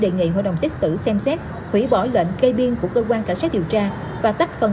đề nghị hội đồng xét xử xem xét thủy bỏ lệnh cây biên của cơ quan cảnh sát điều tra và tắt phần